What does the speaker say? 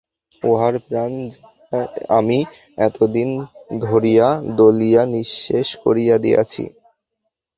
উহার প্রাণ যে আমি এতদিন ধরিয়া দলিয়া নিঃশেষ করিয়া দিয়াছি।